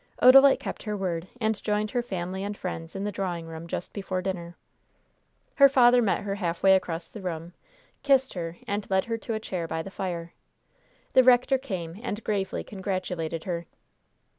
Odalite kept her word, and joined her family and friends in the drawing room just before dinner. Her father met her halfway across the room, kissed her, and led her to a chair by the fire. The rector came and gravely congratulated her.